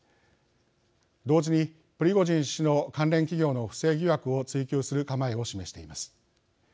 同時にプリゴジン氏の関連企業の不正疑惑を追及する構えを示しています。